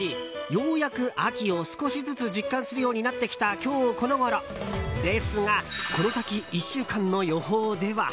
ようやく秋を少しずつ実感するようになってきた今日このごろですがこの先１週間の予報では。